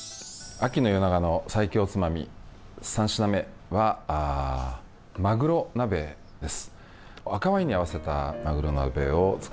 秋の夜長の最強おつまみ３品目は、まぐろ鍋です。